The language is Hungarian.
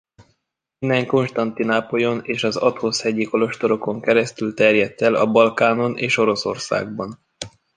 Innen Konstantinápolyon és az athosz-hegyi kolostorokon keresztül terjedt el a Balkánon és Oroszországban.